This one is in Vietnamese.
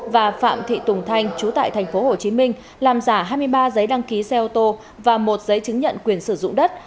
và phạm thị tùng thanh chú tại tp hcm làm giả hai mươi ba giấy đăng ký xe ô tô và một giấy chứng nhận quyền sử dụng đất